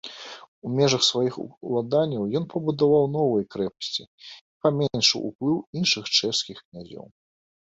У межаў сваіх уладанняў ён пабудаваў новыя крэпасці і паменшыў уплыў іншых чэшскіх князёў.